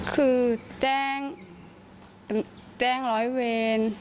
คือแจ้งแจ้งร้อยเวร